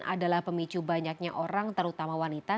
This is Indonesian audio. adalah pemicu banyaknya orang terutama wanita